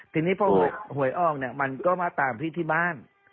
ทีนี้พ่อห่วยอ้อนก็มาตามพี่ที่บ้าน